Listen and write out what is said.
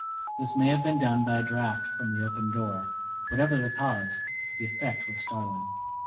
This may have been done by a draught from the opened door; whatever the cause, the effect was startling.